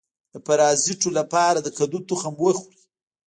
د پرازیتونو لپاره د کدو تخم وخورئ